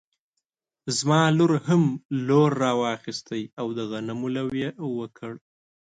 زما لور هم لور راواخيستی او د غنمو لو يې وکړی